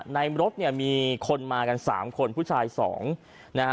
รถเนี่ยมีคนมากันสามคนผู้ชาย๒นะฮะ